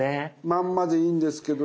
まんまでいいんですけど。